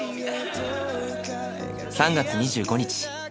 ３月２５日。